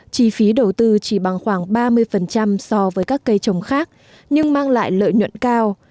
chi phí đầu tư chỉ bằng khoảng ba mươi so với các cây trồng khác nhưng mang lại lợi nhuận cao